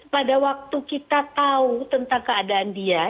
pada waktu kita tahu tentang keadaan dia